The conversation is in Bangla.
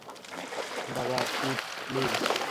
বাবা, পিট, প্লিজ!